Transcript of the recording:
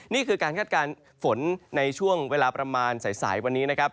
นี่คือการคาดการณ์ฝนในช่วงเวลาประมาณใสวันนี้